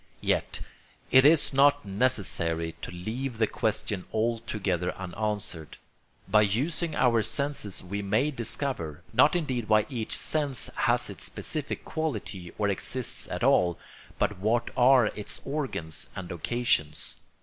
Yet it is not necessary to leave the question altogether unanswered. By using our senses we may discover, not indeed why each sense has its specific quality or exists at all, but what are its organs and occasions.